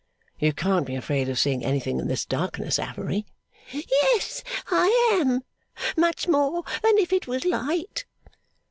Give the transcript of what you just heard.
'You can't be afraid of seeing anything in this darkness, Affery.' 'Yes I am. Much more than if it was light.